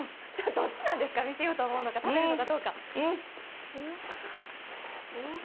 どっちなんですか、見せようと思うのか、食べるのか。